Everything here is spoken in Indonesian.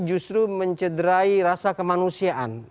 justru mencederai rasa kemanusiaan